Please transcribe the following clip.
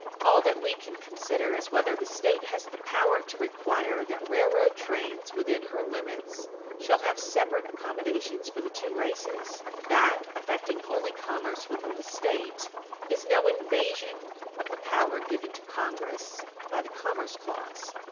All that we can consider is whether the State has the power to require that railroad trains within her limits shall have separate accommodations for the two races; that affecting only commerce within the State is no invasion of the power given to Congress by the commerce clause."